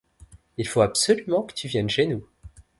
Il faut absolument que tu viennes chez nous.